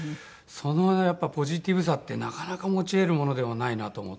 そのやっぱポジティブさってなかなか持ち得るものではないなと思ったし。